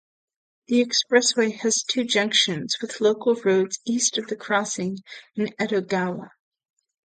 The expressway has two junctions with local roads east of the crossing in Edogawa.